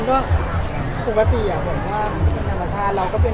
โดยว่าเเมี่ยนิวอาชารณ์เราก็เป็น